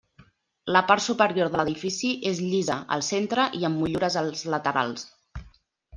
La part superior de l'edifici és llisa al centre i amb motllures als laterals.